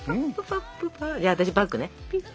じゃあ私バックね。